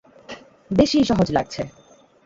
বেশিই সহজ লাগছে।